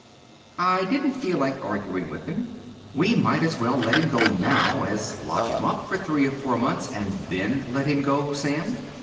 I didn't feel like arguing with him. "We might as well let him go now as lock him up for three or four months and then let him go, Sam.